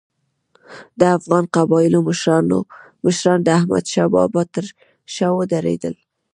د افغان قبایلو مشران د احمدشاه بابا تر شا ودرېدل.